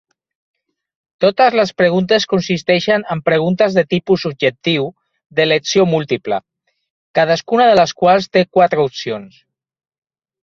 Totes les preguntes consisteixen en preguntes de tipus objectiu d'elecció múltiple, cadascuna de les quals té quatre opcions.